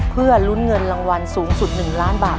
เพื่อลุ้นเงินรางวัลสูงสุด๑ล้านบาท